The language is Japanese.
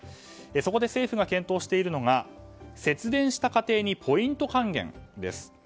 そこで政府が検討しているのが節電した家庭にポイント還元です。